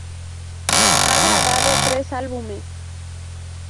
Ha grabado tres álbumes.